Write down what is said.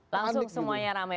langsung semuanya rame